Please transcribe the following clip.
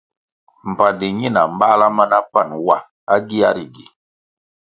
Mbpandi ñina mbáhla ma na pan wa à gia ri gi.